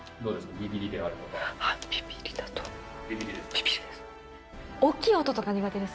ビビりです。